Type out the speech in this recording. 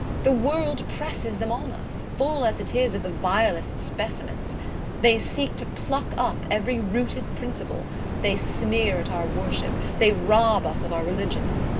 The world presses them on us, full as it is of the vilest specimens. They seek to pluck up every rooted principle: they sneer at our worship: they rob us of our religion.